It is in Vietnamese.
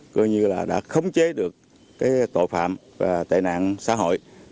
coi như là đã khống chế được tội phạm và tệ nạn xã hội